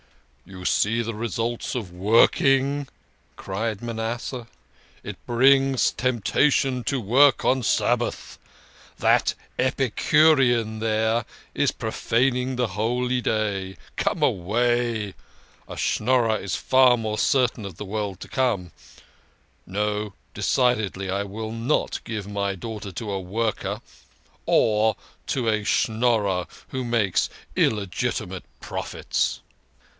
"You see the results of working," cried Manasseh. "It brings temptation to work on Sabbath. That Epicurean there is profaning the Holy Day. Come away ! A Schnor rer is far more certain of The World To Come. No, de cidedly, I will not give my daughter to a worker, or to a Schnorrer who makes illegitimate profits."